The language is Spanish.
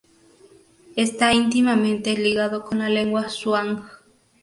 Está íntimamente ligado con la lengua zhuang.